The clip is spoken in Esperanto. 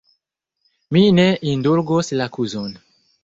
Mi ne indulgos la kuzon!